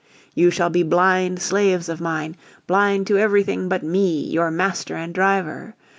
"You shall be blind slaves of Mine, blind to everything but Me, your Master and Driver!